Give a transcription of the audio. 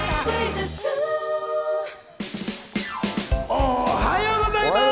おはようございます！